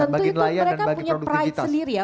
mereka punya pride sendiri ya